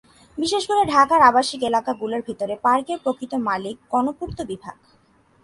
বিশেষ করে ঢাকার আবাসিক এলাকাগুলোর ভেতরে পার্কের প্রকৃত মালিক গণপূর্ত বিভাগ।